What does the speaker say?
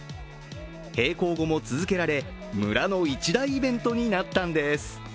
閉校後も続けられ、村の一大イベントになったんです。